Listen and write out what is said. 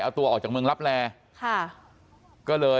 เอาตัวออกจากเมืองรับแหล